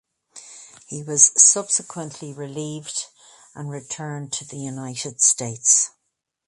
He was subsequently relieved and returned to the United States.